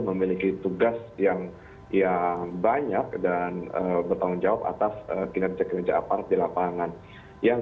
memiliki tugas yang yang banyak dan bertanggung jawab atas pindah kekejapan di lapangan yang